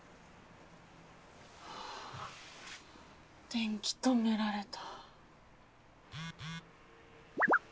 電気止められた。